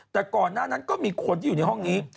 แต่ก่อนหน้านั้นก็มีคนที่อยู่ในห้องนี้